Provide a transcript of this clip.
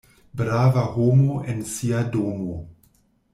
Brava homo en sia domo.